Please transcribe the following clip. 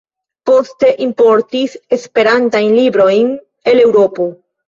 Poste importis Esperantajn librojn el Eŭropo.